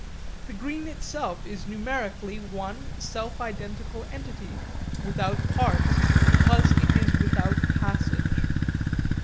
The green itself is numerically one self identical entity, without parts because it is without passage.